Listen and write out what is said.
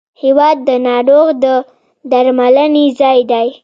هېواد د ناروغ د درملنې ځای دی.